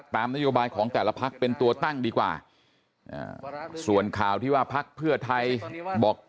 ตามนโยบายของแต่ละพักเป็นตัวตั้งดีกว่าส่วนข่าวที่ว่าพักเพื่อไทยบอก